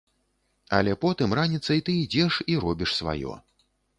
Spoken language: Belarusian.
Але потым раніцай ты ідзеш і робіш сваё.